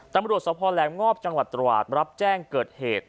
ตำรวจสภแหลมงอบจังหวัดตราดรับแจ้งเกิดเหตุ